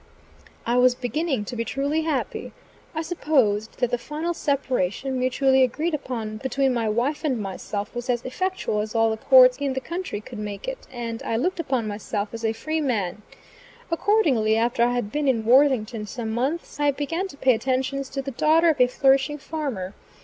I was beginning to be truly happy. I supposed that the final separation, mutually agreed upon between my wife and myself, was as effectual as all the courts in the country could make it, and I looked upon myself as a free man. Accordingly, after I had been in Worthington some months I began to pay attentions to the daughter of a flourishing farmer.